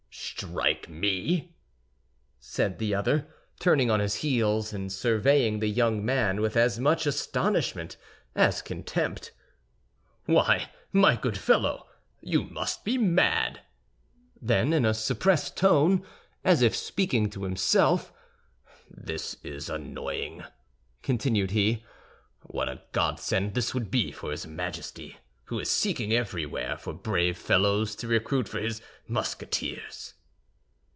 "Strike me!" said the other, turning on his heels, and surveying the young man with as much astonishment as contempt. "Why, my good fellow, you must be mad!" Then, in a suppressed tone, as if speaking to himself, "This is annoying," continued he. "What a godsend this would be for his Majesty, who is seeking everywhere for brave fellows to recruit for his Musketeers!"